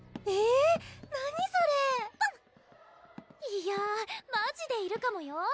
いやマジでいるかもよ